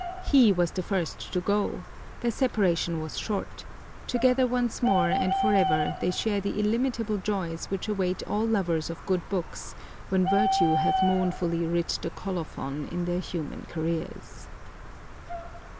He was the first to go; their separation was short; together once more and forever they share the illimitable joys which await all lovers of good books when virtue hath mournfully writ the colophon to their human careers.